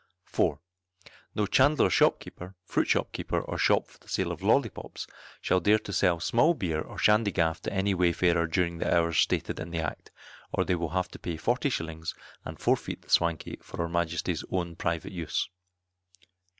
4. No chandler shop keeper, fruit shop keeper, or shop for the sale of lollipops, shall dare to sell small beer or shandy gaff to any wayfarer during the hours stated in the act, or they will have to pay 40s., and forfeit the swankey for Her Majesty's own private use.